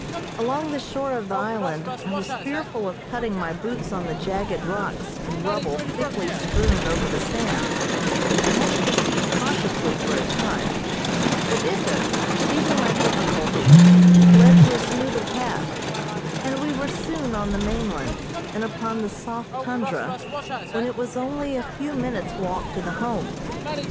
Along the shore of the island I was fearful of cutting my boots on the jagged rocks and rubble thickly strewn over the sands, and had to proceed cautiously for a time, but Ituk, perceiving my difficulty, led to a smoother path, and we were soon on the mainland, and upon the soft tundra, when it was only a few minutes walk to the Home.